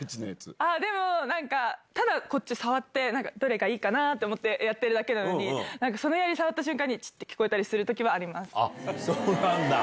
でも、なんかただ、こっち触って、なんか、どれがいいかなぁ？って思って、やってるだけなのに、なんか、そのやり触った瞬間に、ちって聞こえたりするときはありそうなんだ。